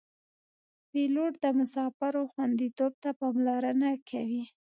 پیلوټ د مسافرو خوندیتوب ته پاملرنه کوي.